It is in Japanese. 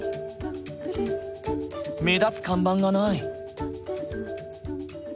目立つ看板がない。